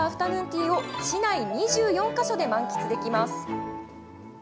ティーを市内２４か所で満喫できます。